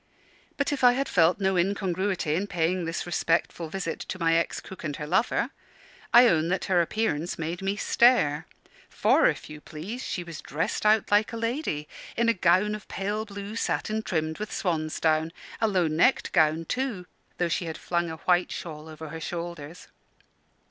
But if I had felt no incongruity in paying this respectful visit to my ex cook and her lover, I own that her appearance made me stare. For, if you please, she was dressed out like a lady, in a gown of pale blue satin trimmed with swansdown a low necked gown, too, though she had flung a white shawl over her shoulders.